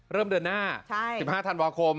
เริ่มเดือนหน้า๑๕ธันวาคม